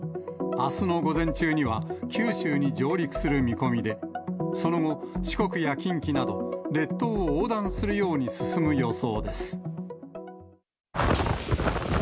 あすの午前中には、九州に上陸する見込みで、その後、四国や近畿など、列島を横断するように進む予想です。